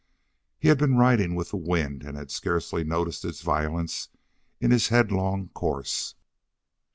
He had been riding with the wind and had scarcely noticed its violence in his headlong course.